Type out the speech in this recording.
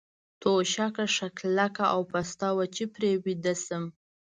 توشکه ښه کلکه او پسته وه، چې پرې ویده شم.